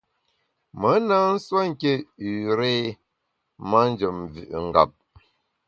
Me na nsuo nké üré manjem mvü’ ngap.